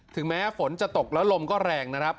ถึงแม้ฝนจะตกแล้วลมก็แรงนะครับ